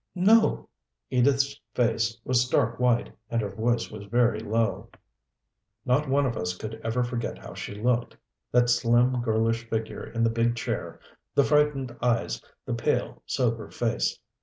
"No." Edith's face was stark white, and her voice was very low. Not one of us could ever forget how she looked that slim, girlish figure in the big chair, the frightened eyes, the pale, sober face.